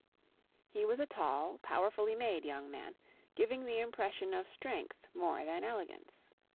He was a tall powerfully made young man, giving the impression of strength more than elegance.